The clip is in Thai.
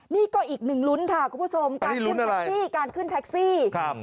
นี่ก็อีกหนึ่งลุ้นค่ะคุณผู้ชมการขึ้นแท็กซี่